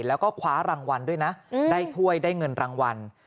แล้วก็คว้ารางวัลด้วยนะได้ถ้วยได้เงินรางวัล